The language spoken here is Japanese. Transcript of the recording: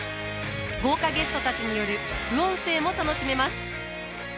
豪華ゲストたちによる副音声も楽しめます。